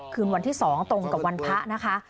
คืนวันที่๒ตรงกับวันพระนะคะ